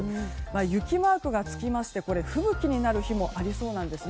雪マークがつきまして吹雪になる日もありそうですね。